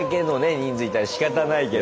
人数いたらしかたないけど。